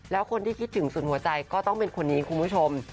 แล้วคนที่คิดถึงสุดหัวใจก็ต้องเป็นคนนี้คุณผู้ชม